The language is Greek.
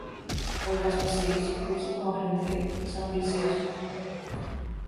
Ο υπασπιστής, που είχε απομακρυνθεί, ξαναπλησίασε.